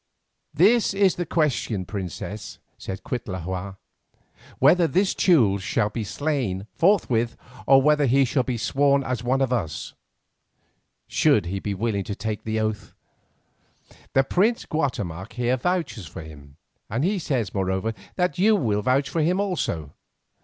"This is the question, princess," said Cuitlahua. "Whether this Teule shall be slain forthwith, or whether he shall be sworn as one of us, should he be willing to take the oath? The prince Guatemoc here vouches for him, and he says, moreover, that you will vouch for him also.